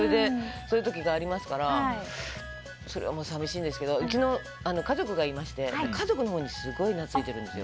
そういう時がありますからそれも寂しいんですけど家族がいまして家族のほうにすごい懐いているんですよ。